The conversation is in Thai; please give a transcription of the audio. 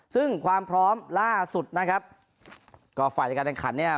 ซึ่งความพร้อมล่าสุดนะครับก็ฝ่ายจัดการแข่งขันเนี่ย